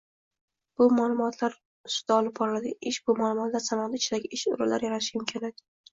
Bu maʼlumotlar ustida olib boriladigan ish, bu maʼlumotlar sanoati ichidagi ish oʻrinlar yaratish imkoniyati.